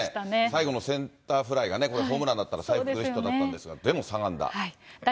最後のセンターフライがね、これ、ホームランだったら、サイクルヒットだったんですが、でも３安打。